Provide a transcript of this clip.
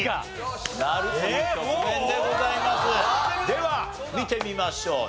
では見てみましょう。